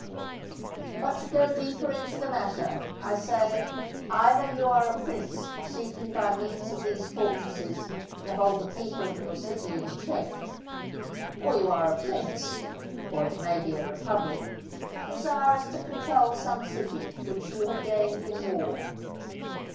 But to go deeper into the matter, I say, either you are a prince seeking by means of these fortresses to hold the people of your city in check; or you are a prince, or it may be a republic, desirous to control some city which you have gained in war.